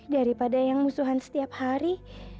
daripada yang musuhan setiap hari